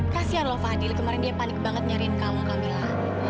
kasihan lo fadil kemarin dia panik banget nyariin kamu kamila